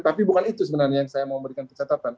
tapi bukan itu sebenarnya yang saya mau memberikan pencatatan